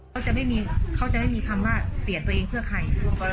เขาจะไม่มีคำว่าเปลี่ยนตัวเองเพื่อใคร